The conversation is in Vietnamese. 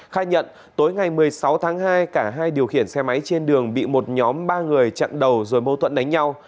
khai nhận tối ngày một mươi sáu tháng hai cả hai điều khiển xe máy trên đường bị một nhóm ba người chặn đầu rồi mâu thuẫn đánh nhau